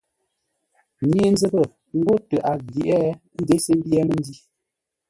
Nye-nzəpə ghó tə a ghyeʼé ə́ nděse ḿbyé məndǐ.